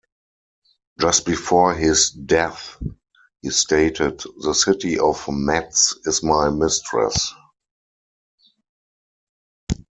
Just before his death, he stated: The city of Metz is my mistress.